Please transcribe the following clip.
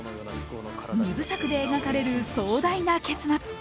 ２部作で描かれる壮大な結末。